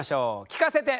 聞かせて！